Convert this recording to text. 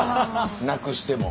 なくしても。